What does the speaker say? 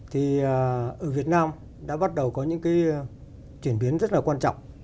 thì ở việt nam đã bắt đầu có những cái chuyển biến rất là quan trọng